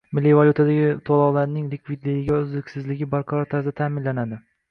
Milliy valyutadagi to'lovlarning likvidligi va uzluksizligi barqaror tarzda ta'minlanadi